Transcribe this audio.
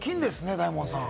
大門さん。